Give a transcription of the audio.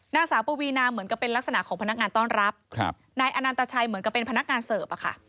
นางสาวปวีนาเหมือนกับเป็นลักษณะของพนักงานต้อนรับนายอนันตชัยเหมือนกับเป็นพนักงานเสิร์ฟ